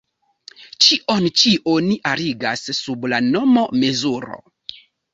Ĉion ĉi oni arigas sub la nomo "mezuro".